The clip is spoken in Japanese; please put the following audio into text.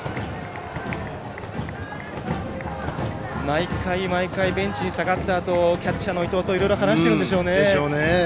毎回毎回ベンチに下がったあとキャッチャーの伊藤といろいろ話してるんでしょうね。